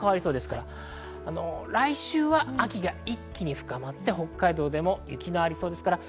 来週は秋が一気に深まって北海道では雪がありそうです。